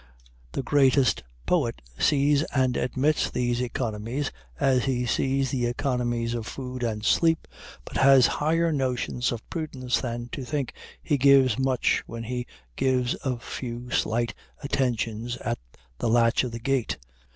The greatest poet sees and admits these economies as he sees the economies of food and sleep, but has higher notions of prudence than to think he gives much when he gives a few slight attentions at the latch of the gate.